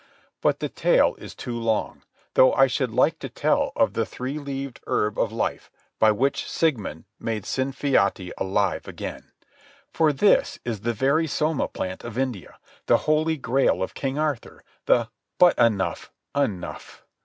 But the tale is too long, though I should like to tell of the three leaved Herb of Life by which Sigmund made Sinfioti alive again. For this is the very soma plant of India, the holy grail of King Arthur, the—but enough! enough!